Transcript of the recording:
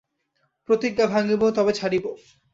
প্রতিজ্ঞা ভাঙিব তবে ছাড়িব।